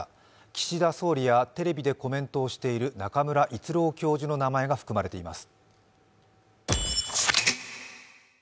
岸田総理やテレビでコメントをしている中村逸郎教授の名前が含まれています。